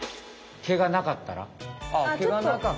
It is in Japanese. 毛がなかったら？